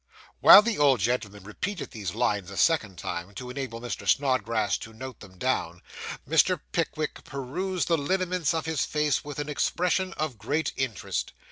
While the old gentleman repeated these lines a second time, to enable Mr. Snodgrass to note them down, Mr. Pickwick perused the lineaments of his face with an expression of great interest.